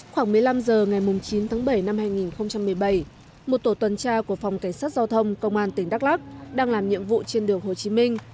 khoảng một mươi năm h ngày chín tháng bảy năm hai nghìn một mươi bảy một tổ tuần tra của phòng cảnh sát giao thông công an tỉnh đắk lắc đang làm nhiệm vụ trên đường hồ chí minh